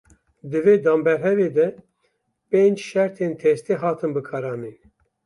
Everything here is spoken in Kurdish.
Di vê danberhevê de pênc şertên testê hatin bikaranîn.